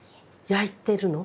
焼いてるの？